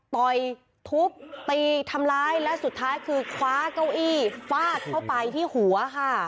ต่อยทุบตีทำร้ายและสุดท้ายคือคว้าเก้าอี้ฟาดเข้าไปที่หัวค่ะ